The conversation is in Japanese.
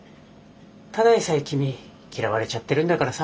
ただでさえ君嫌われちゃってるんだからさ